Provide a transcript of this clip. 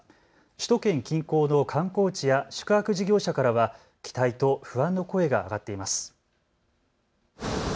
首都圏近郊の観光地や宿泊事業者からは期待と不安の声が上がっています。